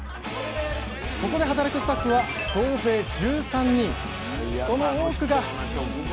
ここで働くスタッフは総勢１３人楽しそうな職場！